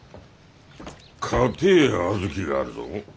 かてえ小豆があるぞ。